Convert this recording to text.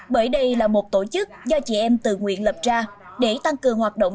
bởi đây là một tổ chức do chị em từ nguyễn lập ra để tăng cường hoạt động